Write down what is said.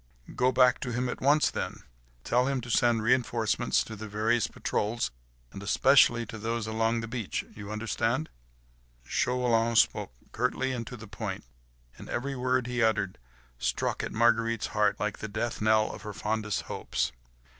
"Go back to him at once, then. Tell him to send reinforcements to the various patrols; and especially to those along the beach—you understand?" Chauvelin spoke curtly and to the point, and every word he uttered struck at Marguerite's heart like the death knell of her fondest hopes.